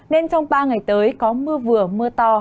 nên trong ba ngày tới có mưa vừa mưa to